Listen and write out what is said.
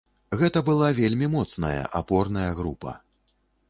Гэта была вельмі моцная, апорная група.